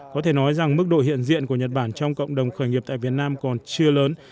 có thể nói rằng mức độ hiện diện của nhật bản trong cộng đồng khởi nghiệp tại việt nam còn chưa lớn